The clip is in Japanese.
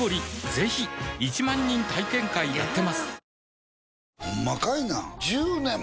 ぜひ１万人体験会やってますはぁ。